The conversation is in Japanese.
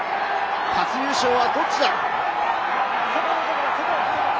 初優勝はどっちだ？